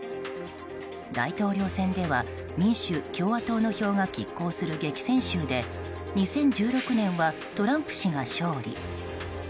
大統領選では民主・共和党の票が拮抗する激戦州で２０１６年はトランプ氏が勝利。